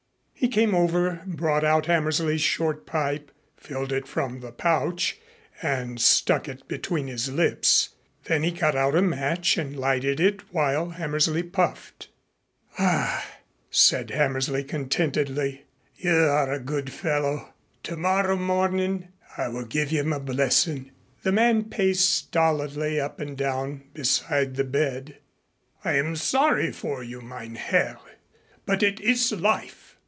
He came over, brought out Hammersley's short pipe, filled it from the pouch and stuck it between his lips. Then he got out a match and lighted it while Hammersley puffed. "Ah!" said Hammersley contentedly. "You are a good fellow. Tomorrow morning I will give you my blessing." The man paced stolidly up and down beside the bed. "I am sorry for you, mein Herr. But it is life.